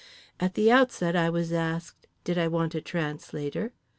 At the outset I was asked: Did I want a translator?